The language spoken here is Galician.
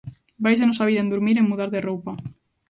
Vaísenos a vida en durmir e en mudar de roupa